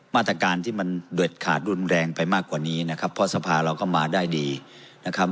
มาตรการที่มันเด็ดขาดรุนแรงไปมากกว่านี้นะครับเพราะสภาเราก็มาได้ดีนะครับ